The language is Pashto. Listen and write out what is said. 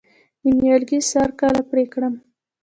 د نیالګي سر کله پرې کړم؟